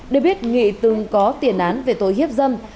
để biết nghị từng có tiền án về tội hiếp dâm